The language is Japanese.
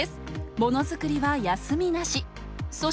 ものづくりは休みなし。